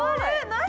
何？